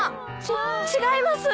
ち違います！